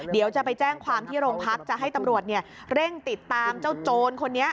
เดี๋ยวจะไปแจ้งความที่โรงพักจะให้ตำรวจเร่งติดตามเจ้าโจรคนนี้